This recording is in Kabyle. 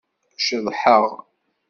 Ceḍḥeɣ.